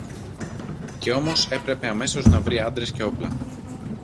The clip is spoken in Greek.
Και όμως έπρεπε αμέσως να βρει άντρες και όπλα!